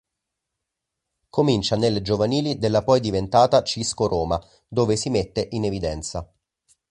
Comincia nelle giovanili della poi diventata Cisco Roma dove si mette in evidenza.